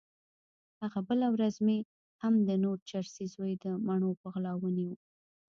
هغه بله ورځ مې هم د نور چرسي زوی د مڼو په غلا ونيو.